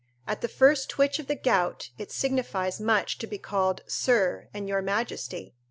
At the first twitch of the gout it signifies much to be called Sir and Your Majesty!